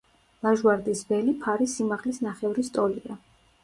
ლაჟვარდის ველი ფარის სიმაღლის ნახევრის ტოლია.